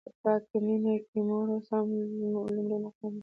په پاکه مینه کې مور اوس هم لومړی مقام لري.